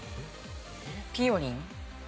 ぴよりん。